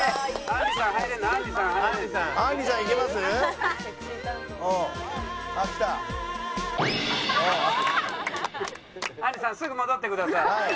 あんりさんすぐ戻ってください。